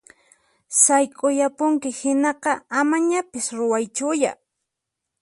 Sayk'uyapunki hinaqa amañapis ruwaychuya!